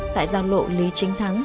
tại giao lộ lý chính thắng